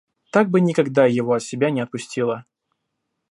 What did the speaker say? Так бы никогда его от себя не отпустила